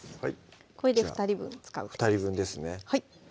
これで２人分使う２人分ですね